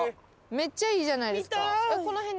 めっちゃいいじゃないですか。